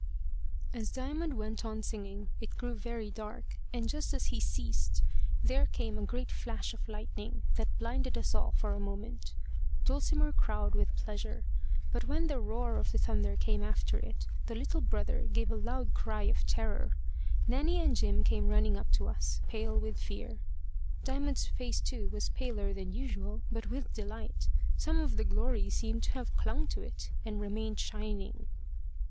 As Diamond went on singing, it grew very dark, and just as he ceased there came a great flash of lightning, that blinded us all for a moment. Dulcimer crowed with pleasure; but when the roar of thunder came after it, the little brother gave a loud cry of terror. Nanny and Jim came running up to us, pale with fear. Diamond's face, too, was paler than usual, but with delight. Some of the glory seemed to have clung to it, and remained shining.